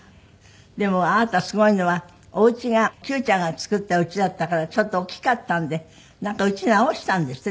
でもあなたすごいのはお家が九ちゃんが造った家だったからちょっと大きかったんでなんか家直したんですって？